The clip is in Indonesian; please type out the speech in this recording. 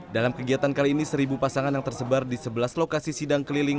dalam kegiatan kali ini seribu pasangan yang tersebar di sebelas lokasi sidang keliling